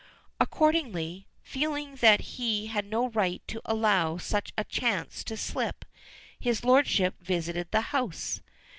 "Accordingly, feeling that he had no right to allow such a chance to slip, his lordship visited the house.